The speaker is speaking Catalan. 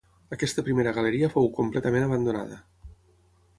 Aquesta primera galeria fou completament abandonada.